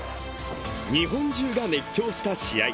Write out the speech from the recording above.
日本中が熱狂した試合。